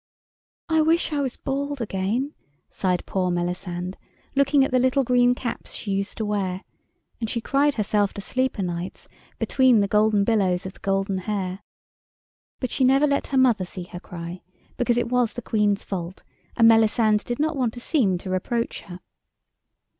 "I wish I was bald again," sighed poor Melisande, looking at the little green caps she used to wear, and she cried herself to sleep o' nights between the golden billows of the golden hair. But she never let her mother see her cry, because it was the Queen's fault, and Melisande did not want to seem to reproach her.